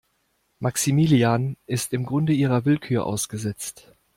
Maximilian ist im Grunde ihrer Willkür ausgesetzt.